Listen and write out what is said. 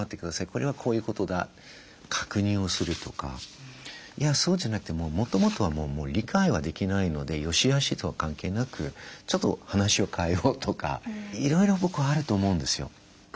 これはこういうことだ確認をするとかいやそうじゃなくてもともとはもう理解はできないので善しあしとは関係なくちょっと話を変えようとかいろいろ僕はあると思うんですよ。